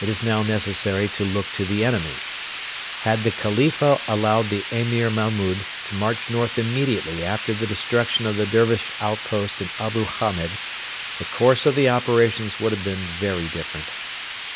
It is now necessary to look to the enemy. Had the Khalifa allowed the Emir Mahmud to march north immediately after the destruction of the Dervish outpost in Abu Hamed, the course of the operations would have been very different.